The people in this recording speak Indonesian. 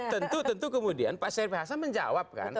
tentu tentu kemudian pak sarip hasan menjawabkan